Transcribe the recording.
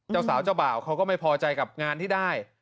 เจ้าสาวเจ้าบ่าวเขาก็ไม่พอใจกับงานที่ได้